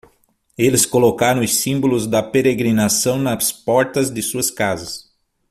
Eles colocaram os símbolos da peregrinação nas portas de suas casas.